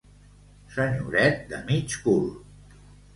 Senyoret de mig cul.